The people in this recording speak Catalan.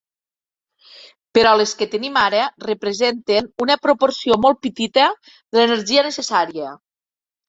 Però les que tenim ara representen una proporció molt petita de l’energia necessària.